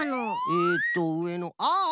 えっとうえのああああ！